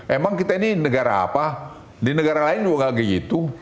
emang kita ini negara apa di negara lain juga nggak begitu